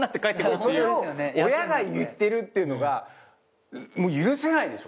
それを親が言ってるっていうのが許せないでしょ？